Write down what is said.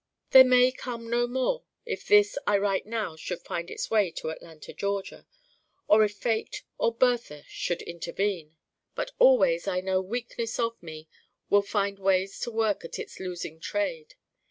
There may come no more if this I write now should find its way to Atlanta Georgia. Or if fate or Bertha should intervene. But always I know Weakness of me will find ways to work at its losing trade.